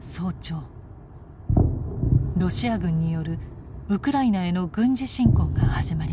ロシア軍によるウクライナへの軍事侵攻が始まりました。